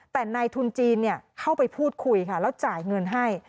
แต่นายทุนจีนเข้าไปพูดคุยค่ะแล้วจ่ายเงินให้